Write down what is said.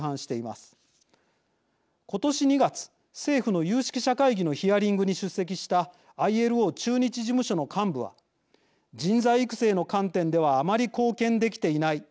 今年２月政府の有識者会議のヒアリングに出席したＩＬＯ駐日事務所の幹部は人材育成の観点ではあまり貢献できていない。